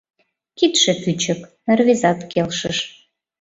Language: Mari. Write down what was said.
— Кидше кӱчык! — рвезат келшыш.